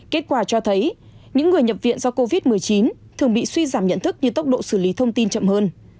kết quả cho thấy những người nhập viện do covid một mươi chín thường bị suy giảm nhận thức như tốc độ xử lý thông tin chậm hơn